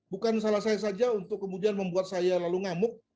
bukan salah saya saja untuk kemudian membuat saya lalu ngamuk